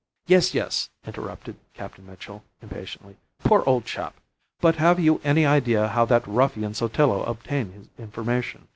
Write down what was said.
"Yes, yes," interrupted Captain Mitchell, impatiently. "Poor old chap! But have you any idea how that ruffian Sotillo obtained his information?